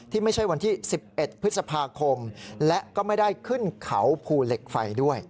ไม่ใช่วันที่๑๑พฤษภาคมและก็ไม่ได้ขึ้นเขาภูเหล็กไฟด้วย